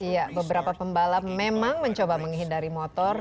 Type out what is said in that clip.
iya beberapa pembalap memang mencoba menghindari motor